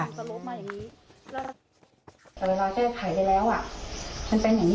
ไม่ทราบว่าได้รับผลคนทุกบ้านน้อยแค่ไหน